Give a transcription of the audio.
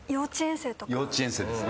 幼稚園生ですね。